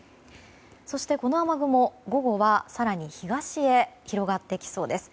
そして、この雨雲、午後は更に東へ広がってきそうです。